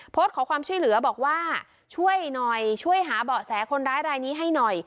โพสต์ขอความช่วยเหลือบอกว่าช่วยหน่อยช่วยหาเบาะแสคนร้ายรายนี้ให้หน่อย